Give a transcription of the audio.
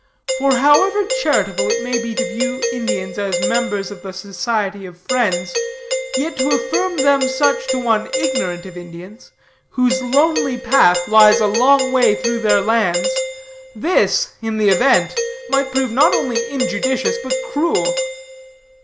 For however charitable it may be to view Indians as members of the Society of Friends, yet to affirm them such to one ignorant of Indians, whose lonely path lies a long way through their lands, this, in the event, might prove not only injudicious but cruel.